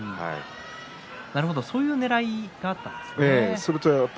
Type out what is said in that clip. なるほどそういうねらいだったんですね。